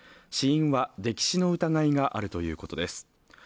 死因は溺死の疑いがあるということです。